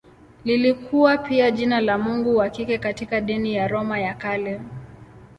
Lilikuwa pia jina la mungu wa kike katika dini ya Roma ya Kale.